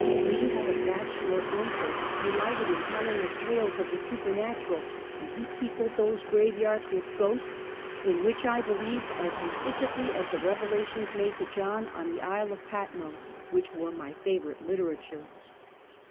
"We had a bachelor 16 Half a Centuky. uncle who delighted in telling us tales of tlie super natural, and lie peopled these graveyards with ghosts, in which I believed as implicitly as in the Revelations made to John on the Isle of Patmos, whicli were my favorite literature.